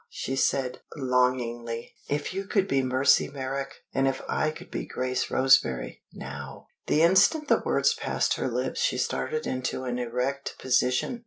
she said, longingly, "if you could be Mercy Merrick, and if I could be Grace Roseberry, now!" The instant the words passed her lips she started into an erect position.